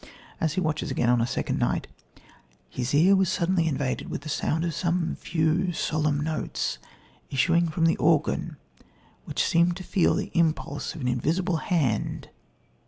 As he watches again on a second night: "His ear was suddenly invaded with the sound of some few, solemn notes, issuing from the organ which seemed to feel the impulse of an invisible hand